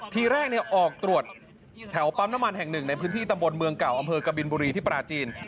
ทีแรกออกตรวจแถวปั๊มน้ำมันแห่งหนึ่งในพื้นที่ตำบลเมืองเก่าอำเภอกบินบุรีที่ปราจีน